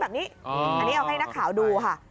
อันนี้เอาให้นักข่าวดูค่ะ